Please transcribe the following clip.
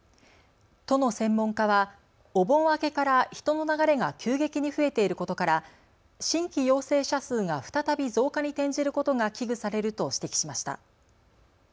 都の専門家は、お盆明けから人の流れが急激に増えていることから新規陽性者数が再び増加に転じることが危惧されると指摘しました。